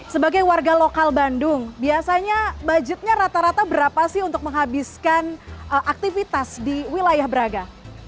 sebagai warga lokal bandung biasanya budgetnya rata rata berapa sih untuk menghabiskan aktivitas di wilayah braga